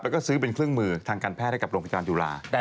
แล้วก็ซื้อเป็นเครื่องมือทางการแพทย์ให้กับโรงพยาบาลจุฬา